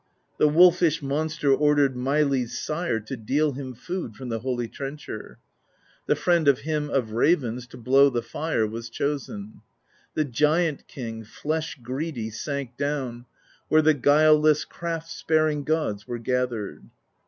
The wolfish monster ordered Meili's Sire to deal him Food from the holy trencher: The friend of Him of Ravens To blow the fire was chosen; The Giant King, flesh greedy, Sank down, where the guileless Craft sparing gods were gathered.